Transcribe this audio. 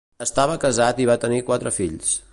Estava casat i va tenir quatre fills.